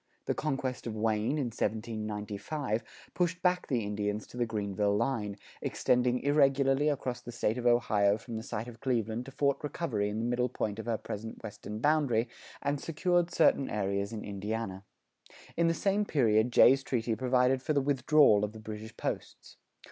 The conquest of Wayne, in 1795, pushed back the Indians to the Greenville line, extending irregularly across the State of Ohio from the site of Cleveland to Fort Recovery in the middle point of her present western boundary, and secured certain areas in Indiana. In the same period Jay's treaty provided for the withdrawal of the British posts.